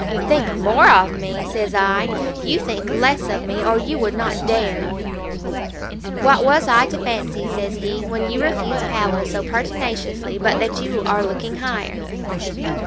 "'Think more of me!' says I; 'you think less of me, or you would not dare ' "'What was I to fancy,' says he, 'when you refuse Powell so pertinaciously, but that you are looking higher?'